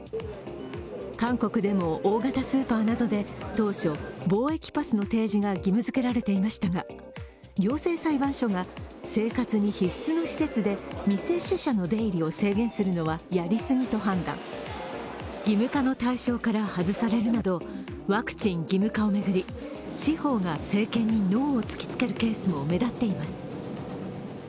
韓国でも大型スーパーなどで当初、防疫パスの提示が義務づけられていましたが、行政裁判所が生活に必須の施設で未接種者の出入りを制限するのはやりすぎと判断義務化の対象から外されるなどワクチン義務化を巡り、司法が政権にノーを突きつけるケースも目立っています。